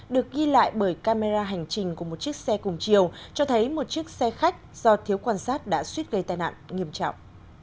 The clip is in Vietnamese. được ghi lại bởi camera hành trình của một chiếc xe cùng chiều cho thấy một chiếc xe khách do thiếu quan sát đã suýt gây tai nạn nghiêm trọng